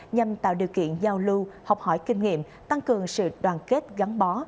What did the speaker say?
nhằm tạo điều kiện giao lưu học hỏi kinh nghiệm tăng cường sự đoàn kết gắn bó